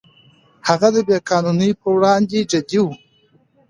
هغه د بې قانونۍ پر وړاندې جدي و.